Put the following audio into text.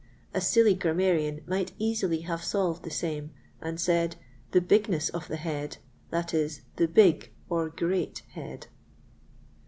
A silly grammarian might easily have solved the same, and said, The bigness of the head, that is, the big or great head.